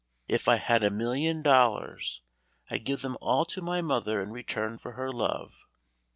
If I had a million dollars, I'd give them all to my mother in return for her love.